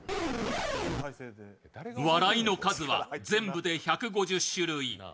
笑いの数は全部で１５０種類。